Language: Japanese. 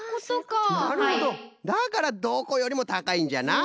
だからどこよりもたかいんじゃな。